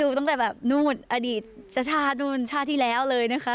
ตั้งแต่แบบนู่นอดีตชาตินู่นชาติที่แล้วเลยนะคะ